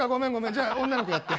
じゃあ女の子やって。